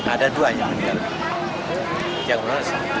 ada dua yang meninggal dunia usai